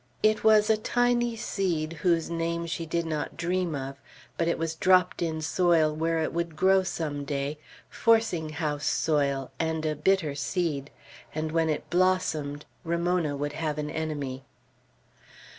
It was a tiny seed, whose name she did not dream of; but it was dropped in soil where it would grow some day, forcing house soil, and a bitter seed; and when it blossomed, Ramona would have an enemy.